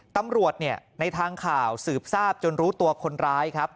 ตำรวจในทางข่าวสืบทราบจนรู้ตัวคนร้ายครับ